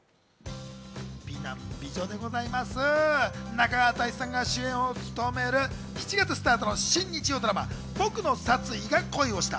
中川大志さんが主演を務める７月スタートの新日曜ドラマ『ボクの殺意が恋をした』。